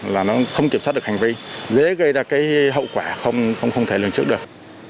là nó không kiểm soát được hành vi dễ gây ra cái hậu quả không thể lường trước được